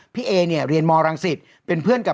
พี่เอสเรียนมรังศิษย์เป็นเพื่อนกับ